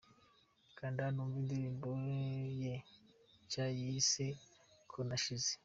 Kanda hano wumve indirimbo ye nshya yise 'Ko nashize'.